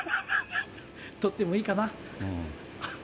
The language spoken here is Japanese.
取ってもいいかな。